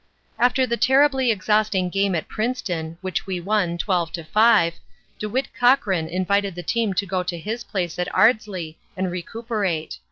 "After the terribly exhausting game at Princeton, which we won, 12 to 5, DeWitt Cochrane invited the team to go to his place at Ardsley and recuperate.